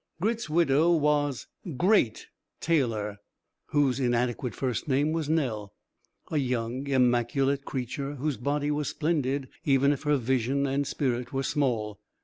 Grit's widow was "Great" Taylor, whose inadequate first name was Nell a young, immaculate creature whose body was splendid even if her vision and spirit were small.